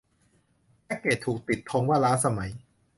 แพ็กเกจถูกติดธงว่าล้าสมัย